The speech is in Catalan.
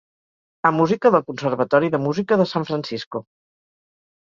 amb música del Conservatori de Música de San Francisco.